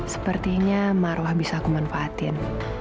sepertinya marwa bisa kumanfaatin